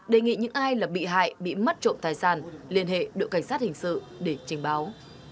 đề nghị những ai là bị hại bị mất trộm tài sản liên hệ đội cảnh sát hình sự để trình báo